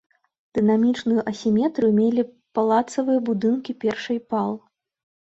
Дынамічную асіметрыю мелі палацавыя будынкі першай пал.